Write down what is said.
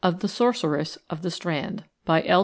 The Sorceress of the Strand. BY L.